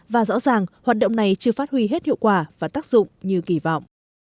và rõ ràng hoạt động này chưa phát huy hết hiệu quả và tác dụng như kỳ vọng